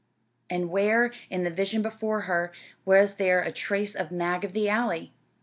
And where, in the vision before her, was there a trace of Mag of the Alley?